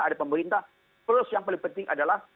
ada pemerintah plus yang paling penting adalah